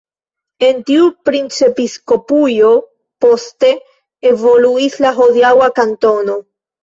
El tiu princepiskopujo poste evoluis la hodiaŭa kantono.